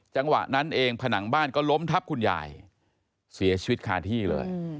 จังหวะนั้นเองผนังบ้านก็ล้มทับคุณยายเสียชีวิตคาที่เลย